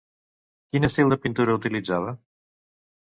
Quin estil de pintura utilitzava?